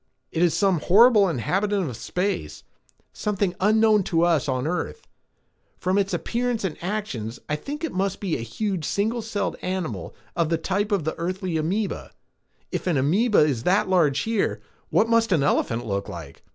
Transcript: "It is some horrible inhabitant of space, something unknown to us on earth. From its appearance and actions, I think it must be a huge single celled animal of the type of the earthly amoeba. If an amoeba is that large here, what must an elephant look like?